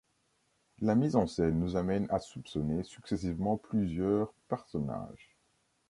La mise en scène nous amène à soupçonner successivement plusieurs personnages.